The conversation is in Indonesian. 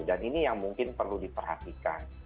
dan ini yang mungkin perlu diperhatikan